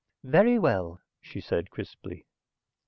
"Very well," she said crisply.